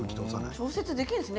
調節できるんですね。